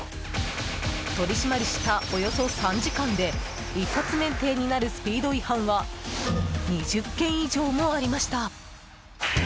取り締まりしたおよそ３時間で一発免停になるスピード違反は２０件以上もありました。